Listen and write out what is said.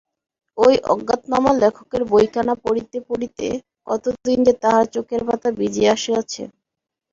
ওই অজ্ঞাতনামা লেখকের বইখানা পড়িতে পড়িতে কতদিন যে তাহার চোখের পাতা ভিজিয়া আসিয়াছে!